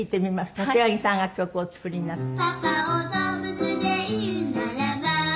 柏木さんが曲をお作りになった。